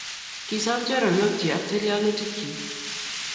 Kisom choronokchi ak tilyanutik